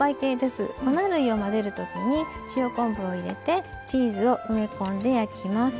粉類を混ぜるときに塩昆布を入れてチーズを埋め込んで焼きます。